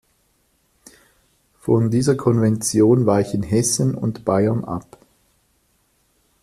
Von dieser Konvention weichen Hessen und Bayern ab.